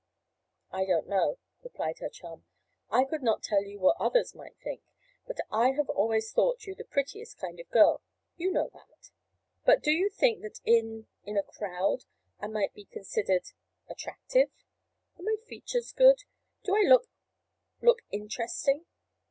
"I don't know," replied her chum. "I could not tell what others might think—but I have always thought you the prettiest kind of a girl—you know that." "But do you think that in—in a crowd I might be considered—attractive? Are my features good? Do I look—look interesting?"